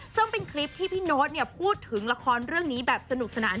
ซึ่งเป็นคลิปที่พี่โน๊ตพูดถึงละครเรื่องนี้แบบสนุกสนาน